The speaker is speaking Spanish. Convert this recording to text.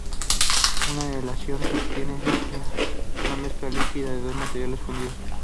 Una aleación se obtiene al enfriar una mezcla líquida de dos metales fundidos.